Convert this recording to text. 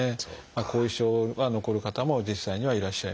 後遺症は残る方も実際にはいらっしゃいます。